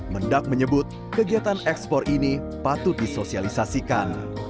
mendak menyebut kegiatan ekspor ini patut disosialisasikan